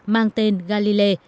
mang tên galile